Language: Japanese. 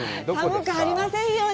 寒くありませんように。